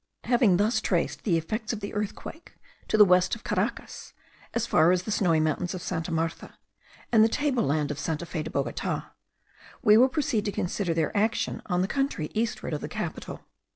Having thus traced the effects of the earthquake to the west of Caracas, as far as the snowy mountains of Santa Martha, and the table land of Santa Fe de Bogota, we will proceed to consider their action on the country eastward of the capital.